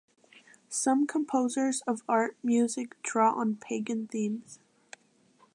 Some composers of art music draw on Pagan themes.